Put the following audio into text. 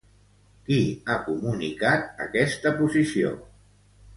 Qui ha comunicat aquesta posició?